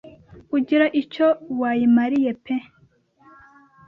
Ugira icyo wayimariye pe